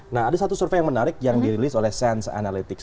nah ada satu survei yang menarik yang dirilis oleh sense analytics